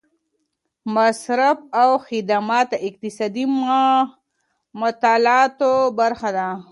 مصرف او خدمات د اقتصادي مطالعاتو برخه ده.